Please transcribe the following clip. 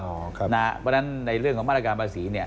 เพราะฉะนั้นในเรื่องของมาตรการภาษีเนี่ย